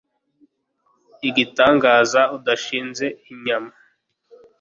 Igitangaza udashinze inyama